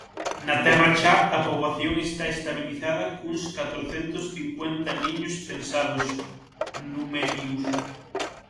Na Terra Chá a poboación está estabilizada cuns catrocentos cincuenta niños censados Numenius.